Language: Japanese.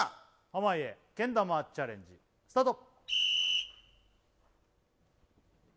濱家けん玉チャレンジスタート